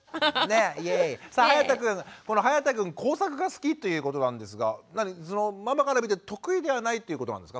さあはやたくん工作が好きということなんですがママから見て得意ではないということなんですか？